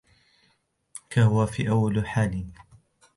كَهُوَ فِي أَوَّلِ حَالٍ